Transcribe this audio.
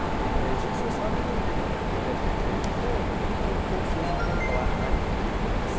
重症３人ということで、きのう、おとといと数字に変化はないということです。